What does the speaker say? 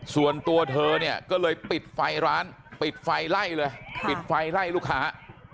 ส่วนตัวเธอเนี่ยก็เลยปิดไฟร้านปิดไฟไล่เลยปิดไฟไล่ลูกค้า